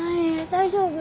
大丈夫？